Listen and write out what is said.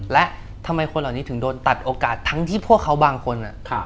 และทำไมคนเหล่านี้ถึงโดนตัดโอกาสทั้งที่พวกเขาบางคน